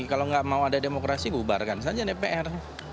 kalau nggak mau ada demokrasi bubarkan saja dpr